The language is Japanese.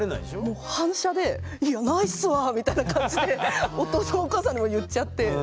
もう反射で「いやないっすわあ」みたいな感じでお父さんお母さんの前で言っちゃってもう目の前で。